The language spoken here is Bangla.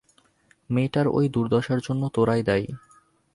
মেয়েদের ঐ দুর্দশার জন্য তোরাই দায়ী।